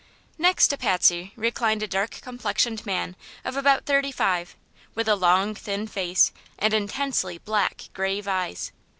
Next to Patsy reclined a dark complexioned man of about thirty five, with a long, thin face and intensely black, grave eyes.